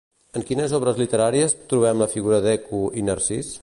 En quines obres literàries trobem la figura d'Eco i Narcís?